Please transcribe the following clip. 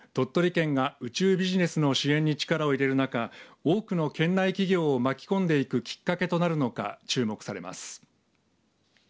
鳥取県が宇宙ビジネスの支援に力を入れる中多くの県内企業を巻き込んでいくきっかけとなるのか注目されます。